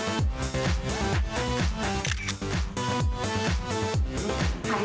เอาเล่าหน่อยสิว่าใครไปไหนมาบ้าง